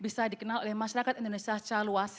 bisa dikenal oleh masyarakat indonesia secara luas